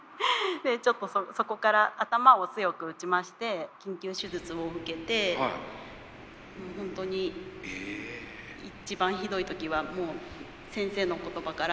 ちょっとそこから頭を強く打ちまして緊急手術を受けて本当に一番ひどい時はもう先生の言葉から脳死とかそういう言葉が出てきたので。